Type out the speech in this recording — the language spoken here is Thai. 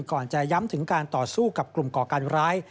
จะย้ำถึงการต่อสู้กับกลุ่มก่อการร้าย